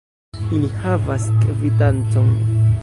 Ili havas kvitancon.